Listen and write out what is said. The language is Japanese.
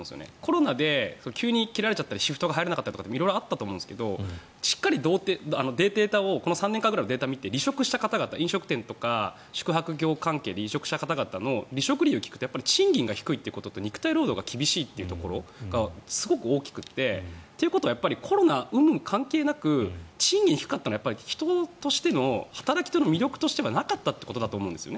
コロナで急に切られちゃったりシフトが入れなかったりと色々あったと思いますがしっかりデータをこの３年間のデータを見て飲食の仕事などで離職した方の離職理由を聞くと賃金が低い肉体労働が厳しいというところがすごく大きくてということはコロナ関係なく賃金が低かったら働き手の魅力がなかったということだと思います。